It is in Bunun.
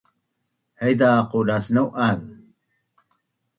Haiza qodacnau’az